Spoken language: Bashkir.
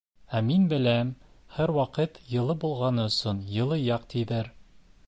— Ә мин беләм, һәр ваҡыт йылы булғаны өсөн йылы яҡ, тиҙәр.